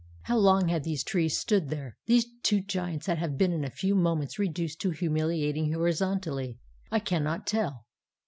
How long had these trees stood here, these two giants that had been in a few moments reduced to humiliating horizontality? I cannot tell.